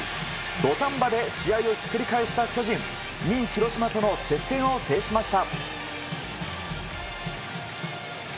土壇場で試合をひっくり返した巨人２位、広島との接戦を制しました。